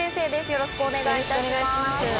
よろしくお願いします。